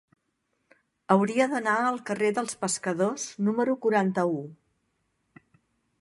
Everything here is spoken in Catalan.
Hauria d'anar al carrer dels Pescadors número quaranta-u.